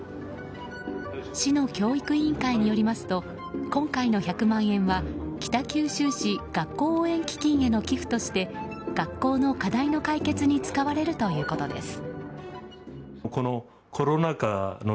市の教育委員会によりますと今回の１００万円は北九州市学校応援基金の寄付として、学校の課題の解決に使われるということです。